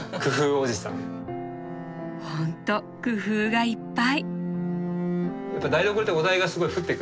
ほんと工夫がいっぱい！